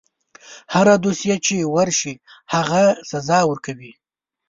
هره دوسیه چې ورشي هغه سزا ورکوي.